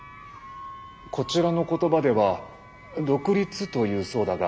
こちらの言葉では独立というそうだが。